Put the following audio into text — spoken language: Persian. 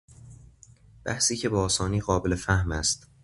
بحثی که به آسانی قابل فهم است